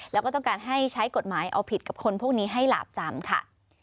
แล้วก็ต้องการให้ใช้กฎหมายเอาผิดกับคนพวกนี้ให้หลาบจำค่ะ